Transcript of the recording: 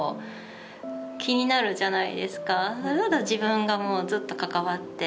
それだったら自分がもうずっと関わって。